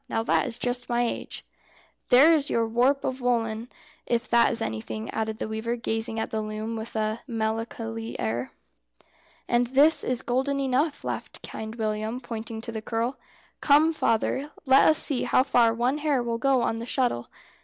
Now that is just my age." "There is your warp of woollen, if that is anything," added the weaver, gazing at the loom with a melancholy air. "And this is golden enough," laughed Kind William, pointing to the curl. "Come, father, let us see how far one hair will go on the shuttle."